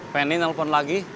pengen kunter lagi